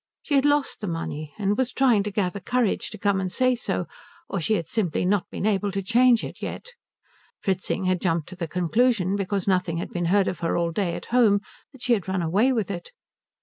She had lost the money, and was trying to gather courage to come and say so; or she had simply not been able to change it yet. Fritzing had jumped to the conclusion, because nothing had been heard of her all day at home, that she had run away with it.